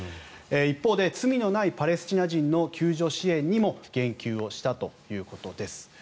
一方で、罪のないパレスチナ人の救助支援にも言及をしたということです。